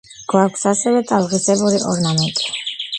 გვაქვს ასევე ტალღისებური ორნამენტი.